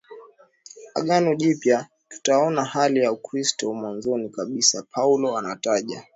Agano Jipya tunaona hali ya Ukristo mwanzoni kabisa Paulo anataja